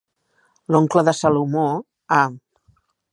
L'oncle de Salomó, A.